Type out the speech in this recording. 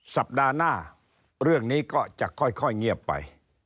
สัปดาห์หน้าเรื่องนี้ก็จะค่อยเงียบไป